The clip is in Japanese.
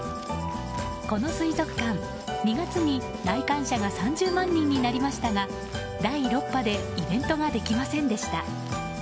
この水族館、２月に来館者が３０万人になりましたが第６波でイベントができませんでした。